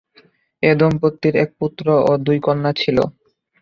এ দম্পতির এক পুত্র ও দুই কন্যা ছিল।